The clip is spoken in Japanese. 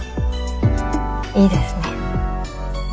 いいですね。